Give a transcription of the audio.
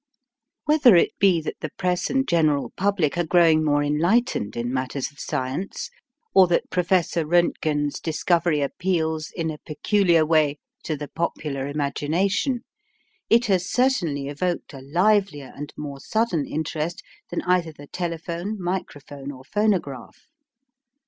Whether it be that the press and general public are growing more enlightened in matters of science, or that Professor Rontgen's discovery appeals in a peculiar way to the popular imagination, it has certainly evoked a livelier and more sudden interest than either the telephone, microphone, or phonograph.